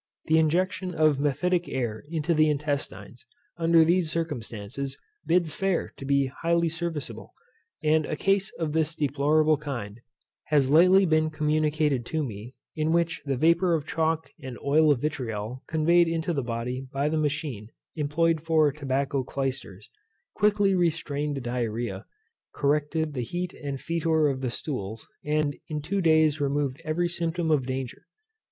The injection of mephitic air into the intestines, under these circumstances, bids fair to be highly serviceable. And a case of this deplorable kind, has lately been communicated to me, in which the vapour of chalk and oil of vitriol conveyed into the body by the machine employed for tobacco clysters, quickly restrained the diarrhoea, corrected the heat and foetor of the stools, and in two days removed every symptom of danger.